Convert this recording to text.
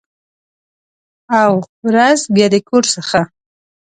او، ورځ بیا د کور څخه